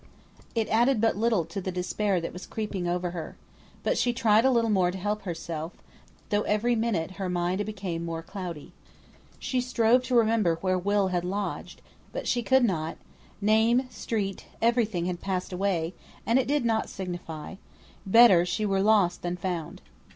It added but little to the despair that was creeping over her. But she tried a little more to help herself, though every minute her mind became more cloudy. She strove to remember where Will had lodged, but she could not; name, street, every thing had passed away, and it did not signify; better she were lost than found.